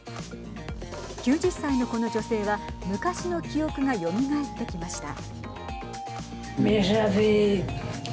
９０歳のこの女性は昔の記憶がよみがえってきました。